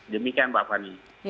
demikian pak fani